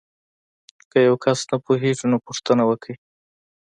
که یو کس نه پوهیږي نو پوښتنه وکړئ.